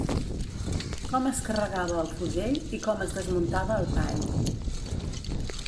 Com es carregava el fusell i com es desmuntava el pany